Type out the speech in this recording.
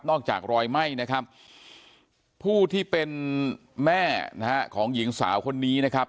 อกจากรอยไหม้นะครับผู้ที่เป็นแม่นะฮะของหญิงสาวคนนี้นะครับ